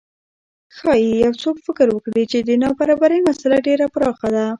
ښايي یو څوک فکر وکړي چې د نابرابرۍ مسئله ډېره پراخه ده.